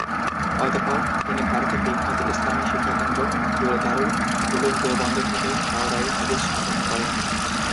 অতঃপর তিনি ভারতের বিখ্যাত ইসলামি শিক্ষাকেন্দ্র দারুল উলুম দেওবন্দ থেকে দাওরায়ে হাদীস সম্পন্ন করেন।